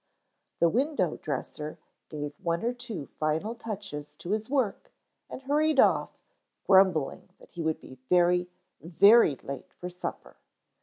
The window dresser gave one or two final touches to his work and hurried off grumbling that he would be very, very late for supper.